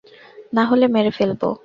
নাহলে মেরে ফেলব।